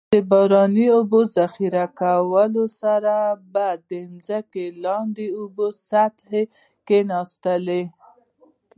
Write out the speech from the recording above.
د باراني اوبو ذخیره کولو سره به د ځمکې لاندې اوبو د سطحې کیناستل.